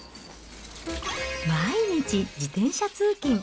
毎日自転車通勤。